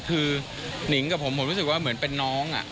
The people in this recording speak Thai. คือนิ้งกับผมคงรู้สึกแบบเป็นน้อง